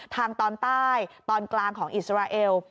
ทางตอนใต้ตอนกลางของอิสราเอล